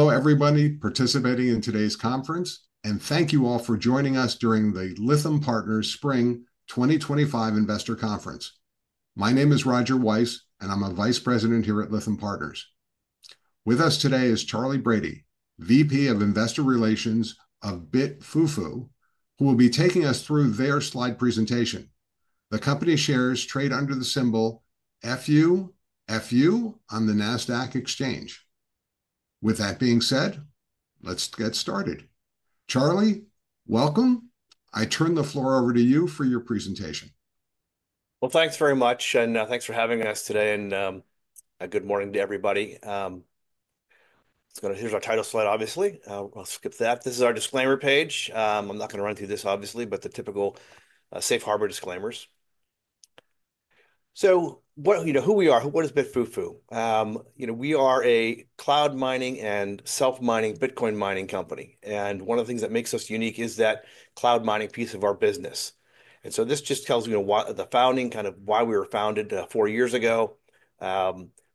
Hello everybody participating in today's conference, and thank you all for joining us during the Lytham Partners Spring 2025 Investor Conference. My name is Roger Weiss, and I'm a Vice President here at Lytham Partners. With us today is Charley Brady, VP of Investor Relations of BitFuFu, who will be taking us through their slide presentation. The company shares trade under the symbol FUFU on the Nasdaq Exchange. With that being said, let's get started. Charley, welcome. I turn the floor over to you for your presentation. Thank you very much, and thanks for having us today. Good morning to everybody. Here is our title slide, obviously. I'll skip that. This is our disclaimer page. I'm not going to run through this, obviously, but the typical safe harbor disclaimers. You know who we are, what is BitFuFu? We are a cloud mining and self-mining Bitcoin mining company. One of the things that makes us unique is that cloud mining piece of our business. This just tells you the founding, kind of why we were founded four years ago,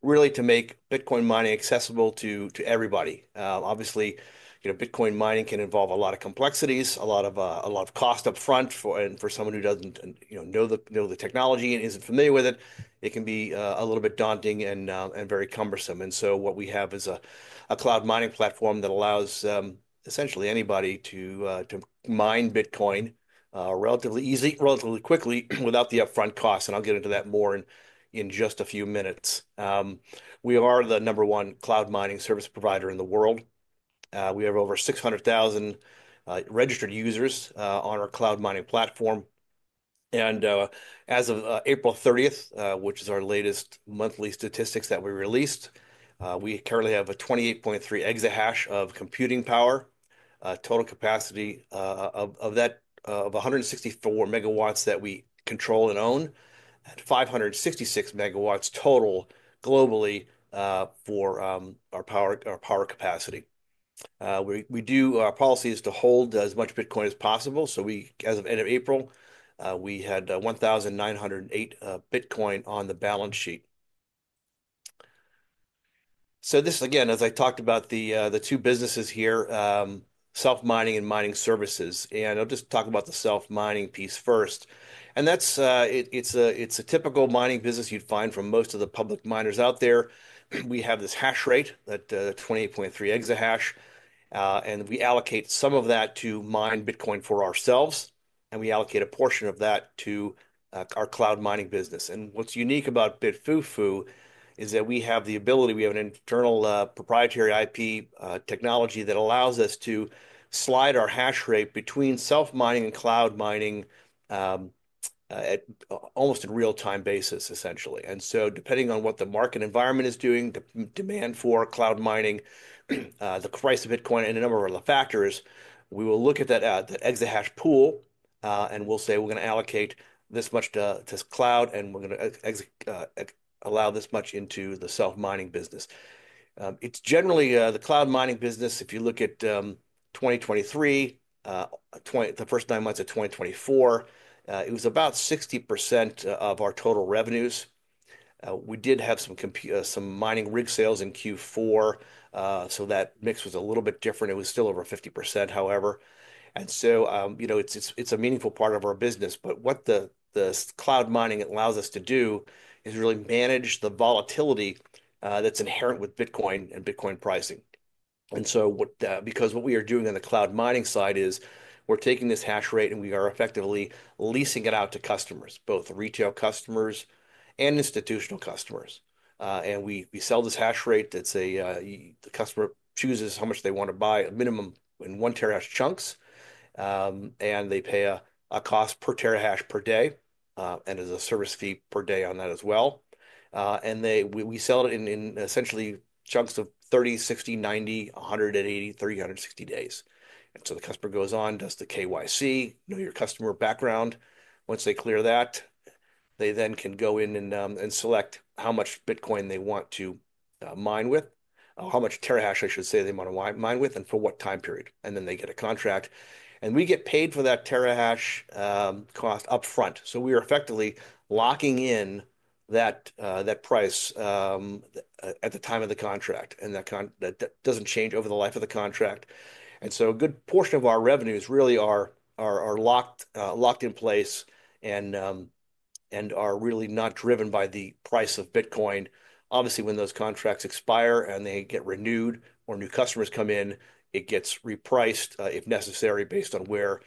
really to make Bitcoin mining accessible to everybody. Obviously, Bitcoin mining can involve a lot of complexities, a lot of cost upfront. For someone who does not know the technology and is not familiar with it, it can be a little bit daunting and very cumbersome. What we have is a cloud mining platform that allows essentially anybody to mine Bitcoin relatively easy, relatively quickly, without the upfront cost. I'll get into that more in just a few minutes. We are the number one cloud mining service provider in the world. We have over 600,000 registered users on our cloud mining platform. As of April 30th, which is our latest monthly statistics that we released, we currently have a 28.3 exahash of computing power, total capacity of 164 megawatts that we control and own, and 566 megawatts total globally for our power capacity. Our policy is to hold as much Bitcoin as possible. As of end of April, we had 1,908 Bitcoin on the balance sheet. This is, again, as I talked about the two businesses here, self-mining and mining services. I'll just talk about the self-mining piece first. It is a typical mining business you would find from most of the public miners out there. We have this hash rate, that 28.3 exahash. We allocate some of that to mine Bitcoin for ourselves. We allocate a portion of that to our cloud mining business. What is unique about BitFuFu is that we have the ability, we have an internal proprietary IP technology that allows us to slide our hash rate between self-mining and cloud mining almost on a real-time basis, essentially. Depending on what the market environment is doing, the demand for cloud mining, the price of Bitcoin, and a number of other factors, we will look at that exahash pool and we will say we are going to allocate this much to cloud and we are going to allow this much into the self-mining business. It's generally the cloud mining business. If you look at 2023, the first nine months of 2024, it was about 60% of our total revenues. We did have some mining rig sales in Q4, so that mix was a little bit different. It was still over 50%, however. It's a meaningful part of our business. What the cloud mining allows us to do is really manage the volatility that's inherent with Bitcoin and Bitcoin pricing. Because what we are doing on the cloud mining side is we're taking this hash rate and we are effectively leasing it out to customers, both retail customers and institutional customers. We sell this hash rate that the customer chooses how much they want to buy, a minimum in one terahash chunks. They pay a cost per terahash per day and there's a service fee per day on that as well. We sell it in essentially chunks of 30, 60, 90, 180, 360 days. The customer goes on, does the KYC, know your customer background. Once they clear that, they then can go in and select how much Bitcoin they want to mine with, how much terahash, I should say, they want to mine with and for what time period. They get a contract. We get paid for that terahash cost upfront. We are effectively locking in that price at the time of the contract. That doesn't change over the life of the contract. A good portion of our revenues really are locked in place and are really not driven by the price of Bitcoin. Obviously, when those contracts expire and they get renewed or new customers come in, it gets repriced if necessary based on where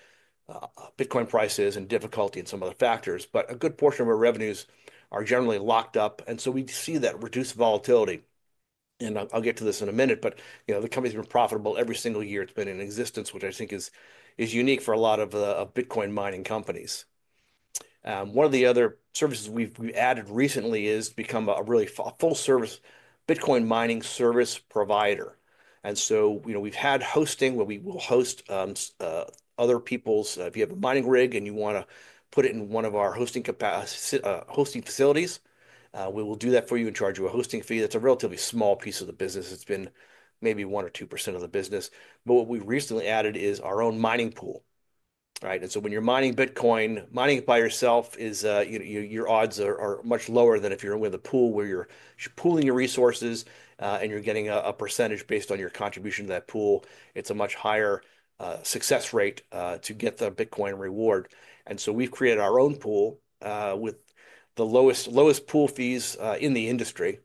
Bitcoin price is and difficulty and some other factors. A good portion of our revenues are generally locked up. We see that reduced volatility. I'll get to this in a minute, but the company's been profitable every single year it's been in existence, which I think is unique for a lot of Bitcoin mining companies. One of the other services we've added recently has become a really full-service Bitcoin mining service provider. We've had hosting where we will host other people's, if you have a mining rig and you want to put it in one of our hosting facilities, we will do that for you and charge you a hosting fee. That's a relatively small piece of the business. It's been maybe 1% or 2% of the business. What we recently added is our own mining pool. When you're mining Bitcoin, mining it by yourself, your odds are much lower than if you're with a pool where you're pooling your resources and you're getting a percentage based on your contribution to that pool. It's a much higher success rate to get the Bitcoin reward. We've created our own pool with the lowest pool fees in the industry.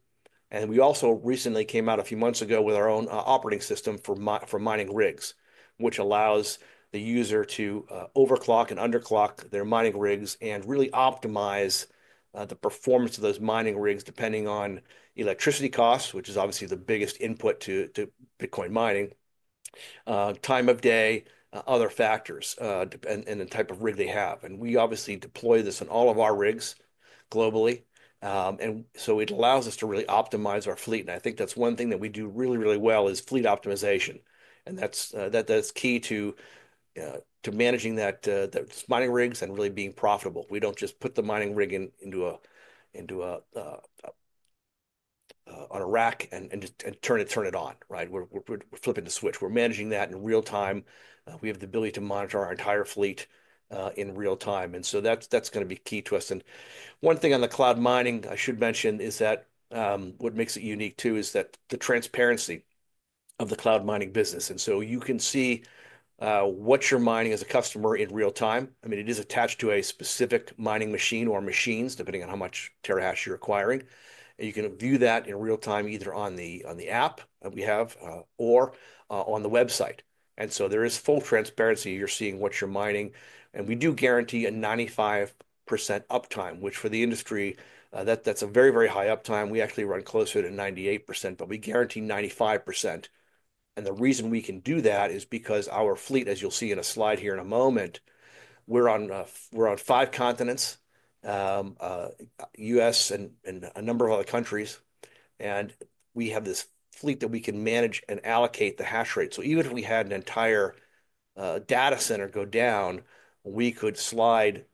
We also recently came out a few months ago with our own operating system for mining rigs, which allows the user to overclock and underclock their mining rigs and really optimize the performance of those mining rigs depending on electricity costs, which is obviously the biggest input to Bitcoin mining, time of day, other factors, and the type of rig they have. We obviously deploy this on all of our rigs globally. It allows us to really optimize our fleet. I think that's one thing that we do really, really well is fleet optimization. That's key to managing those mining rigs and really being profitable. We don't just put the mining rig on a rack and turn it on. We're flipping the switch. We're managing that in real time. We have the ability to monitor our entire fleet in real time. That's going to be key to us. One thing on the cloud mining I should mention is that what makes it unique too is the transparency of the cloud mining business. You can see what you're mining as a customer in real time. I mean, it is attached to a specific mining machine or machines, depending on how much terahash you're acquiring. You can view that in real time either on the app that we have or on the website. There is full transparency. You're seeing what you're mining. We do guarantee a 95% uptime, which for the industry, that's a very, very high uptime. We actually run closer to 98%, but we guarantee 95%. The reason we can do that is because our fleet, as you'll see in a slide here in a moment, we're on five continents, U.S. and a number of other countries. We have this fleet that we can manage and allocate the hash rate. Even if we had an entire data center go down, we could slide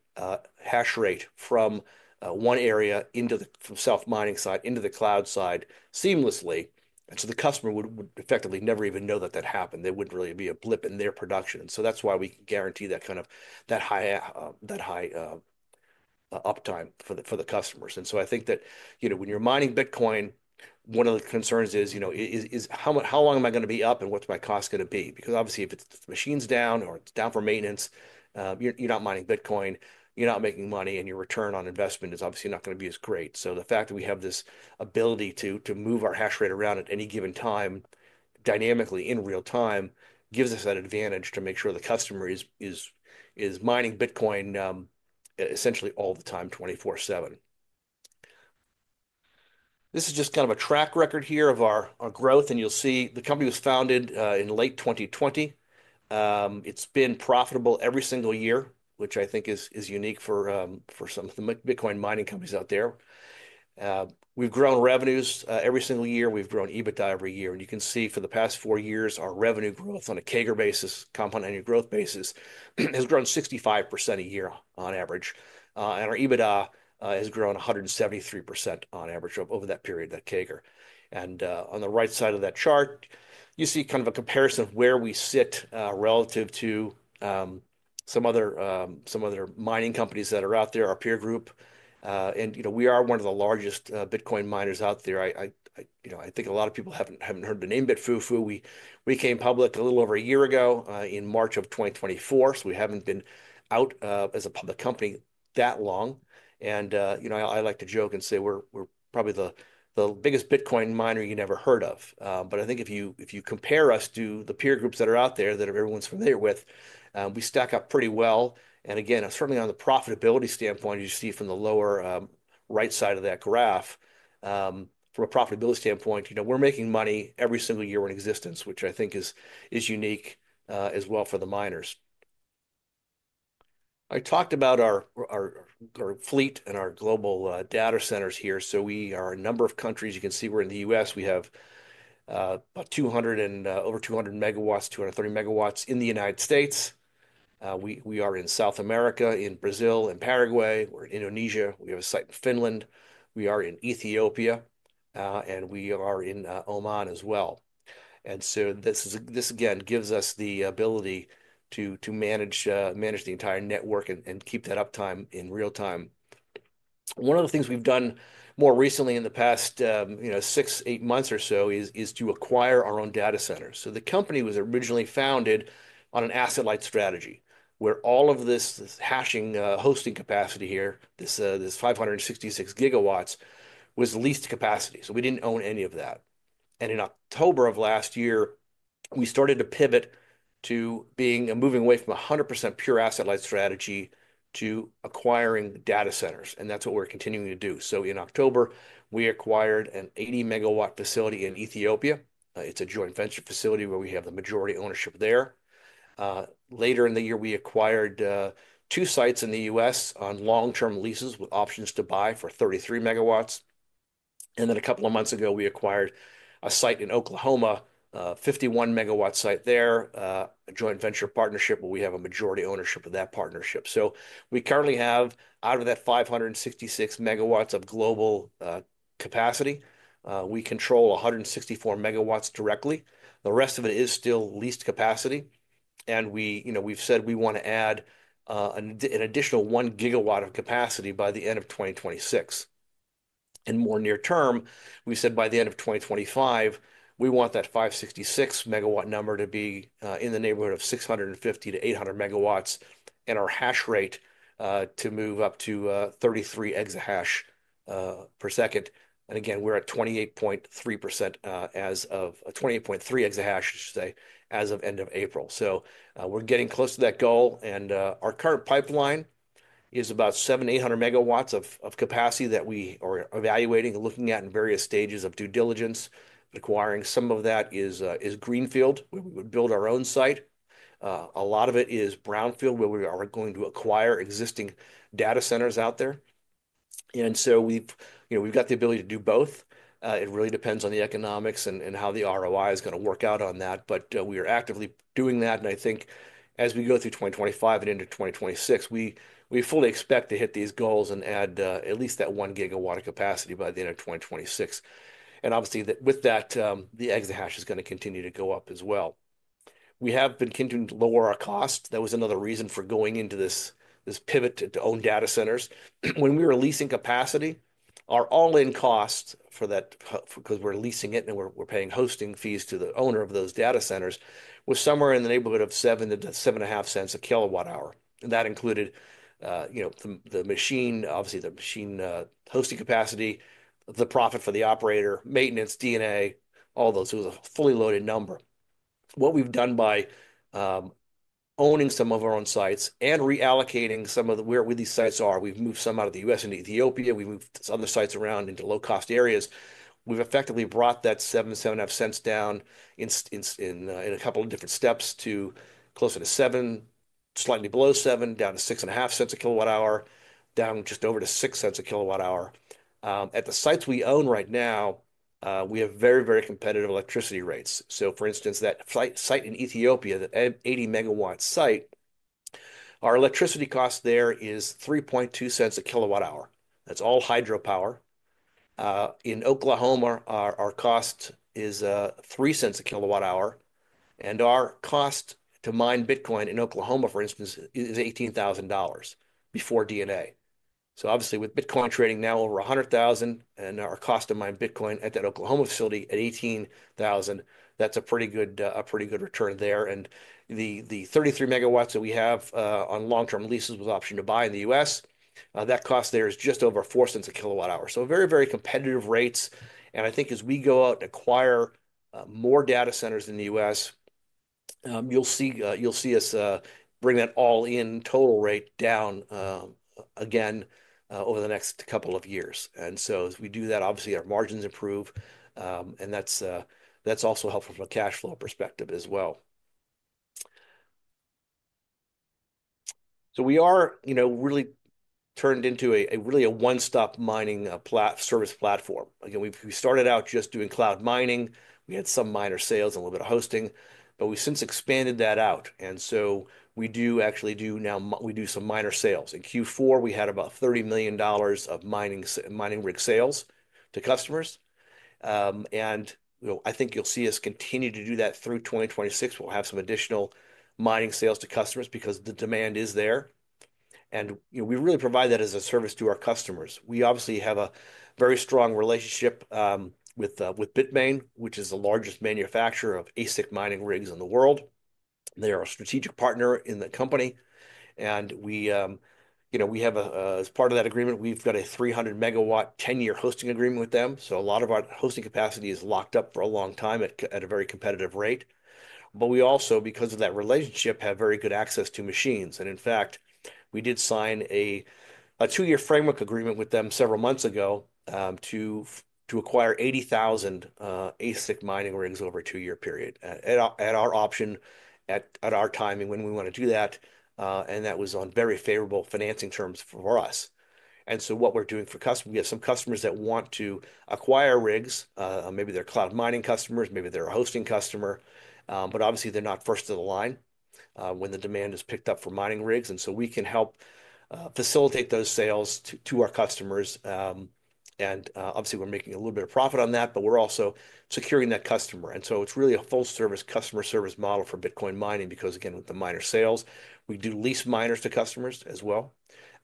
hash rate from one area from self-mining side into the cloud side seamlessly. The customer would effectively never even know that that happened. There would not really be a blip in their production. That is why we guarantee that kind of high uptime for the customers. I think that when you are mining Bitcoin, one of the concerns is, how long am I going to be up and what is my cost going to be? Because obviously, if the machine is down or it is down for maintenance, you are not mining Bitcoin, you are not making money, and your return on investment is obviously not going to be as great. The fact that we have this ability to move our hash rate around at any given time dynamically in real time gives us that advantage to make sure the customer is mining Bitcoin essentially all the time, 24/7. This is just kind of a track record here of our growth. You'll see the company was founded in late 2020. It's been profitable every single year, which I think is unique for some of the Bitcoin mining companies out there. We've grown revenues every single year. We've grown EBITDA every year. You can see for the past four years, our revenue growth on a CAGR basis, compound annual growth basis, has grown 65% a year on average. Our EBITDA has grown 173% on average over that period, that CAGR. On the right side of that chart, you see kind of a comparison of where we sit relative to some other mining companies that are out there, our peer group. We are one of the largest Bitcoin miners out there. I think a lot of people haven't heard the name BitFuFu. We came public a little over a year ago in March of 2024. We haven't been out as a public company that long. I like to joke and say we're probably the biggest Bitcoin miner you never heard of. I think if you compare us to the peer groups that are out there that everyone's familiar with, we stack up pretty well. Again, certainly on the profitability standpoint, you see from the lower right side of that graph, from a profitability standpoint, we're making money every single year in existence, which I think is unique as well for the miners. I talked about our fleet and our global data centers here. We are in a number of countries. You can see we're in the U.S. We have about over 200 megawatts, 230 megawatts in the United States. We are in South America, in Brazil, in Paraguay. We're in Indonesia. We have a site in Finland. We are in Ethiopia. We are in Oman as well. This, again, gives us the ability to manage the entire network and keep that uptime in real time. One of the things we've done more recently in the past six to eight months or so is to acquire our own data centers. The company was originally founded on an asset-light strategy where all of this hashing hosting capacity here, this 566 gigawatts, was leased capacity. We did not own any of that. In October of last year, we started to pivot to moving away from a 100% pure asset-light strategy to acquiring data centers. That is what we are continuing to do. In October, we acquired an 80-megawatt facility in Ethiopia. It is a joint venture facility where we have the majority ownership there. Later in the year, we acquired two sites in the U.S. on long-term leases with options to buy for 33 megawatts. A couple of months ago, we acquired a site in Oklahoma, a 51-megawatt site there, a joint venture partnership where we have a majority ownership of that partnership. We currently have, out of that 566 megawatts of global capacity, we control 164 megawatts directly. The rest of it is still leased capacity. We have said we want to add an additional 1 gigawatt of capacity by the end of 2026. More near term, we said by the end of 2025, we want that 566-megawatt number to be in the neighborhood of 650-800 megawatts and our hash rate to move up to 33 exahash per second. We are at 28.3 exahash as of end of April. We're getting close to that goal. Our current pipeline is about 700-800 megawatts of capacity that we are evaluating and looking at in various stages of due diligence. Acquiring some of that is greenfield. We would build our own site. A lot of it is brownfield where we are going to acquire existing data centers out there. We've got the ability to do both. It really depends on the economics and how the ROI is going to work out on that. We are actively doing that. I think as we go through 2025 and into 2026, we fully expect to hit these goals and add at least that 1 gigawatt of capacity by the end of 2026. Obviously, with that, the exahash is going to continue to go up as well. We have been continuing to lower our cost. That was another reason for going into this pivot to own data centers. When we were leasing capacity, our all-in cost for that, because we're leasing it and we're paying hosting fees to the owner of those data centers, was somewhere in the neighborhood of $0.07-$0.075 a kilowatt hour. That included the machine, obviously the machine hosting capacity, the profit for the operator, maintenance, DNA, all those. It was a fully loaded number. What we've done by owning some of our own sites and reallocating some of where these sites are, we've moved some out of the U.S. into Ethiopia. We've moved other sites around into low-cost areas. We've effectively brought that $0.07-$0.075 down in a couple of different steps to closer to $0.07, slightly below $0.07, down to $0.065 a kilowatt hour, down just over to $0.06 a kilowatt hour. At the sites we own right now, we have very, very competitive electricity rates. For instance, that site in Ethiopia, that 80-megawatt site, our electricity cost there is $0.032 a kilowatt hour. That is all hydropower. In Oklahoma, our cost is $0.03 a kilowatt hour. Our cost to mine Bitcoin in Oklahoma, for instance, is $18,000 before DNA. Obviously, with Bitcoin trading now over $100,000 and our cost to mine Bitcoin at that Oklahoma facility at $18,000, that is a pretty good return there. The 33 megawatts that we have on long-term leases with option to buy in the U.S., that cost there is just over $0.04 a kilowatt hour. Very, very competitive rates. I think as we go out and acquire more data centers in the U.S., you'll see us bring that all-in total rate down again over the next couple of years. As we do that, obviously, our margins improve. That's also helpful from a cash flow perspective as well. We are really turned into a really one-stop mining service platform. Again, we started out just doing cloud mining. We had some miner sales and a little bit of hosting. We've since expanded that out. We do actually do now, we do some miner sales. In Q4, we had about $30 million of mining rig sales to customers. I think you'll see us continue to do that through 2026. We'll have some additional mining sales to customers because the demand is there. We really provide that as a service to our customers. We obviously have a very strong relationship with BITMAIN, which is the largest manufacturer of ASIC mining rigs in the world. They are a strategic partner in the company. As part of that agreement, we've got a 300-megawatt 10-year hosting agreement with them. A lot of our hosting capacity is locked up for a long time at a very competitive rate. Because of that relationship, we have very good access to machines. In fact, we did sign a two-year framework agreement with them several months ago to acquire 80,000 ASIC mining rigs over a two-year period at our option, at our timing when we want to do that. That was on very favorable financing terms for us. What we're doing for customers, we have some customers that want to acquire rigs. Maybe they're cloud mining customers, maybe they're a hosting customer. Obviously, they're not first in the line when the demand is picked up for mining rigs. We can help facilitate those sales to our customers. Obviously, we're making a little bit of profit on that, but we're also securing that customer. It's really a full-service customer service model for Bitcoin mining because, again, with the miner sales, we do lease miners to customers as well.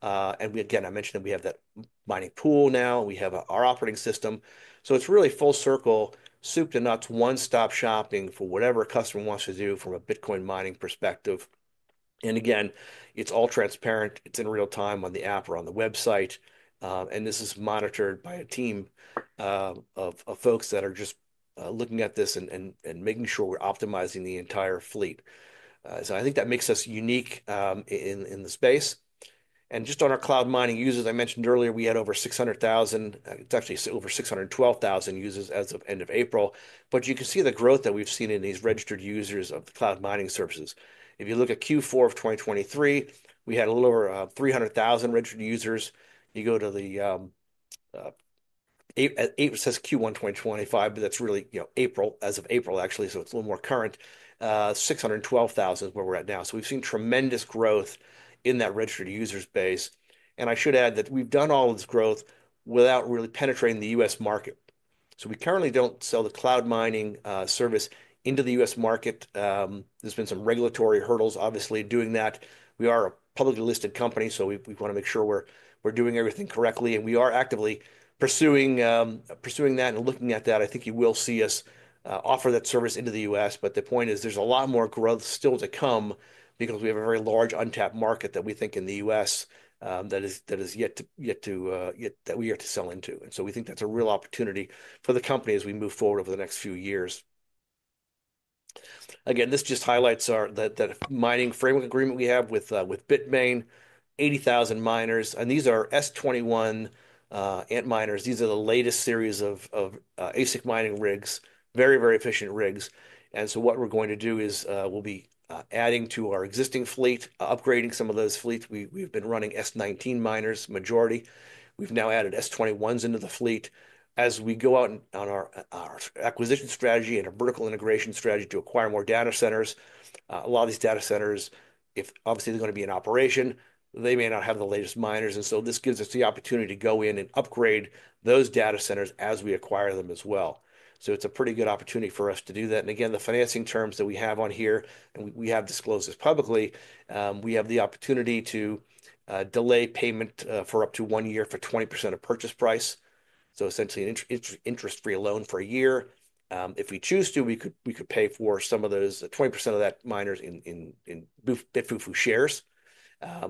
Again, I mentioned that we have that mining pool now. We have our operating system. It's really full circle, soup to nuts, one-stop shopping for whatever a customer wants to do from a Bitcoin mining perspective. Again, it's all transparent. It's in real time on the app or on the website. This is monitored by a team of folks that are just looking at this and making sure we're optimizing the entire fleet. I think that makes us unique in the space. Just on our cloud mining users, I mentioned earlier, we had over 600,000. It's actually over 612,000 users as of end of April. You can see the growth that we've seen in these registered users of cloud mining services. If you look at Q4 of 2023, we had a little over 300,000 registered users. You go to Q1, 2025, but that's really April, as of April, actually. It's a little more current, 612,000 is where we're at now. We've seen tremendous growth in that registered users base. I should add that we've done all of this growth without really penetrating the U.S. market. We currently do not sell the cloud mining service into the U.S. market. There have been some regulatory hurdles, obviously, doing that. We are a publicly listed company, so we want to make sure we are doing everything correctly. We are actively pursuing that and looking at that. I think you will see us offer that service into the U.S. The point is there is a lot more growth still to come because we have a very large untapped market that we think in the U.S. that is yet to, that we are to sell into. We think that is a real opportunity for the company as we move forward over the next few years. Again, this just highlights that mining framework agreement we have with BITMAIN, 80,000 miners. These are S21 Antminers. These are the latest series of ASIC mining rigs, very, very efficient rigs. What we're going to do is we'll be adding to our existing fleet, upgrading some of those fleets. We've been running S19 miners, majority. We've now added S21s into the fleet. As we go out on our acquisition strategy and our vertical integration strategy to acquire more data centers, a lot of these data centers, if obviously they're going to be in operation, they may not have the latest miners. This gives us the opportunity to go in and upgrade those data centers as we acquire them as well. It's a pretty good opportunity for us to do that. Again, the financing terms that we have on here, and we have disclosed this publicly, we have the opportunity to delay payment for up to one year for 20% of purchase price. Essentially an interest-free loan for a year. If we choose to, we could pay for some of those 20% of that miners in BitFuFu shares.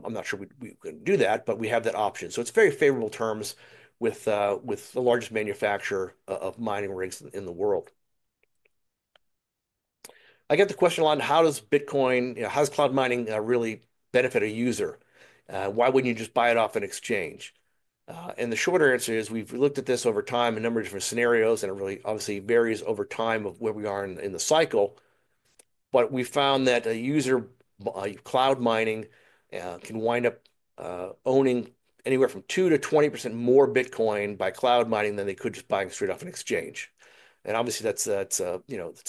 I'm not sure we can do that, but we have that option. It is very favorable terms with the largest manufacturer of mining rigs in the world. I get the question a lot, how does Bitcoin, how does cloud mining really benefit a user? Why wouldn't you just buy it off an exchange? The short answer is we've looked at this over time in a number of different scenarios, and it really obviously varies over time of where we are in the cycle. We found that a user cloud mining can wind up owning anywhere from 2%-20% more Bitcoin by cloud mining than they could just buying straight off an exchange. Obviously, that's a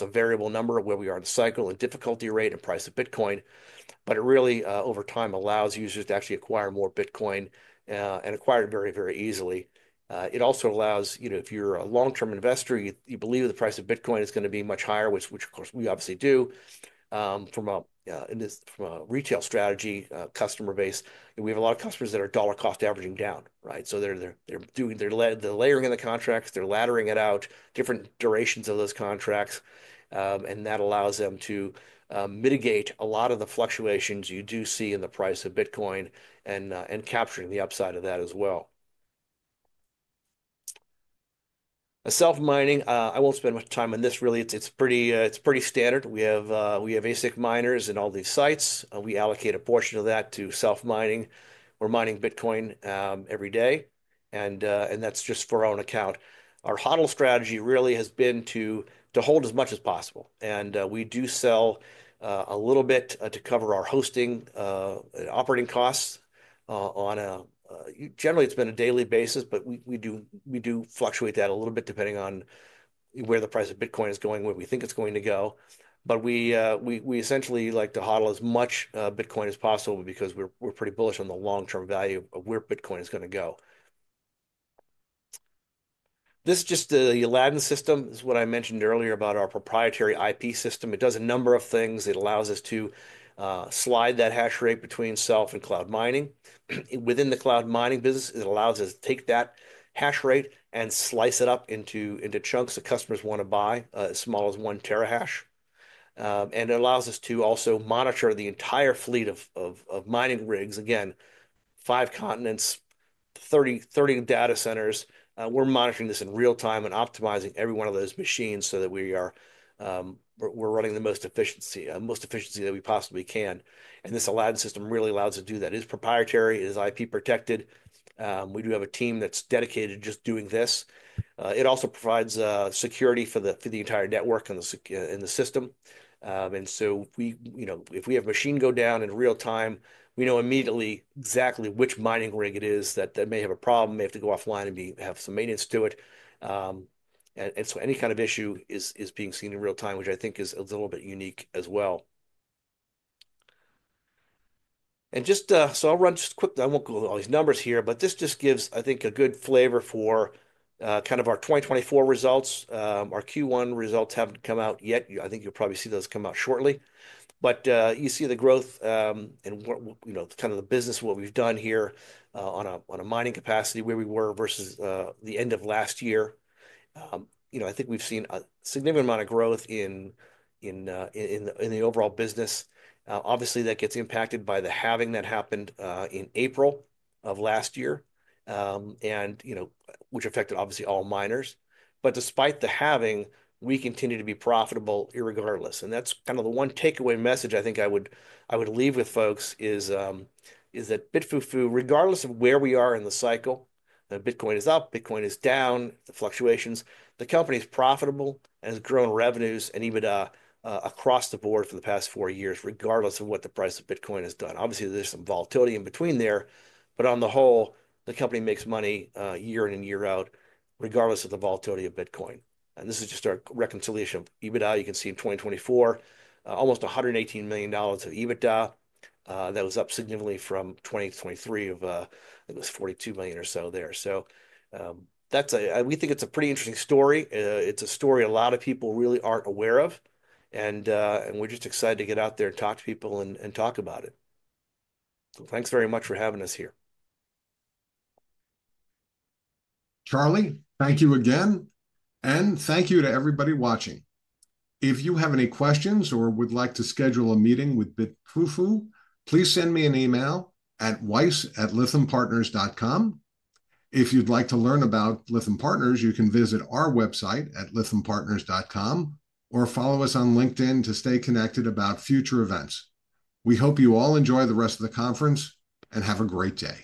variable number of where we are in the cycle and difficulty rate and price of Bitcoin. It really, over time, allows users to actually acquire more Bitcoin and acquire it very, very easily. It also allows, if you're a long-term investor, you believe that the price of Bitcoin is going to be much higher, which, of course, we obviously do from a retail strategy customer base. We have a lot of customers that are dollar cost averaging down, right? They're layering in the contracts, they're laddering it out, different durations of those contracts. That allows them to mitigate a lot of the fluctuations you do see in the price of Bitcoin and capturing the upside of that as well. Self-mining, I won't spend much time on this. Really, it's pretty standard. We have ASIC miners in all these sites. We allocate a portion of that to self-mining. We're mining Bitcoin every day. That is just for our own account. Our HODL strategy really has been to hold as much as possible. We do sell a little bit to cover our hosting operating costs on a generally, it has been a daily basis, but we do fluctuate that a little bit depending on where the price of Bitcoin is going, where we think it is going to go. We essentially like to HODL as much Bitcoin as possible because we're pretty bullish on the long-term value of where Bitcoin is going to go. This is just the Aladdin system, what I mentioned earlier about our proprietary IP system. It does a number of things. It allows us to slide that hash rate between self and cloud mining. Within the cloud mining business, it allows us to take that hash rate and slice it up into chunks that customers want to buy, as small as one terahash. It allows us to also monitor the entire fleet of mining rigs. Again, five continents, 30 data centers. We are monitoring this in real time and optimizing every one of those machines so that we are running the most efficiency that we possibly can. This Aladdin system really allows us to do that. It is proprietary. It is IP protected. We do have a team that is dedicated to just doing this. It also provides security for the entire network in the system. If we have a machine go down in real time, we know immediately exactly which mining rig it is that may have a problem, may have to go offline and have some maintenance to it. Any kind of issue is being seen in real time, which I think is a little bit unique as well. Just so, I'll run just quickly. I won't go through all these numbers here, but this just gives, I think, a good flavor for kind of our 2024 results. Our Q1 results haven't come out yet. I think you'll probably see those come out shortly. You see the growth and kind of the business, what we've done here on a mining capacity where we were versus the end of last year. I think we've seen a significant amount of growth in the overall business. Obviously, that gets impacted by the halving that happened in April of last year, which affected obviously all miners. Despite the halving, we continue to be profitable irregardless. That is kind of the one takeaway message I think I would leave with folks is that BitFuFu, regardless of where we are in the cycle, Bitcoin is up, Bitcoin is down, the fluctuations, the company is profitable and has grown revenues and EBITDA across the board for the past four years, regardless of what the price of Bitcoin has done. Obviously, there is some volatility in between there, but on the whole, the company makes money year in and year out, regardless of the volatility of Bitcoin. This is just our reconciliation of EBITDA. You can see in 2024, almost $118 million of EBITDA that was up significantly from 2023 of, I think it was $42 million or so there. I think it is a pretty interesting story. It is a story a lot of people really are not aware of. We're just excited to get out there and talk to people and talk about it. Thanks very much for having us here. Charley, thank you again. Thank you to everybody watching. If you have any questions or would like to schedule a meeting with BitFuFu, please send me an email at weiss@lythampartners.com. If you'd like to learn about Lytham Partners, you can visit our website at lythampartners.com or follow us on LinkedIn to stay connected about future events. We hope you all enjoy the rest of the conference and have a great day.